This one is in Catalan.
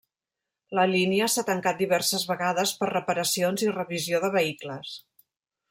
La línia s'ha tancat diverses vegades per reparacions i revisió de vehicles.